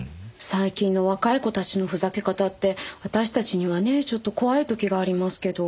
最近の若い子たちのふざけ方って私たちにはねちょっと怖い時がありますけど。